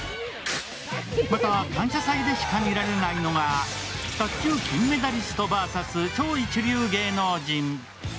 また、感謝祭でしか見られないのが、卓球金メダリストＶＳ超一流芸能人。